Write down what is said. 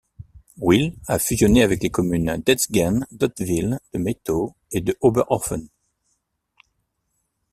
Wil a fusionné avec les communes d'Etzgen, d'Hottwil, de Mettau, et de Oberhofen.